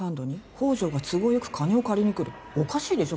宝条が都合よく金を借りに来るおかしいでしょ